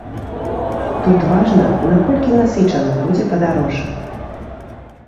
Тут важна, наколькі насычаным будзе падарожжа.